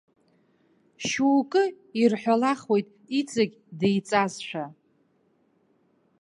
Шьоукы ирҳәалахуеит иҵегь деиҵазшәа.